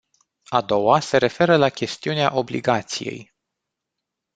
A doua se referă la chestiunea obligației.